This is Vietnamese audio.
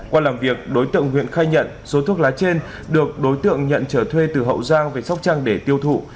qua làm việc đối tượng huyện khai nhận số thuốc lá trên được đối tượng nhận trở thuê từ hậu giang về sóc trăng để tiêu thụ